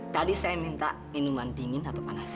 tadi saya minta minuman dingin atau panas